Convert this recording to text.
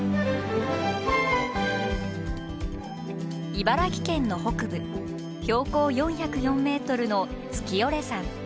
茨城県の北部標高４０４ｍの月居山。